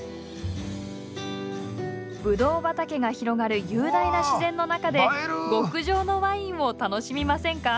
ブドウ畑が広がる雄大な自然の中で極上のワインを楽しみませんか？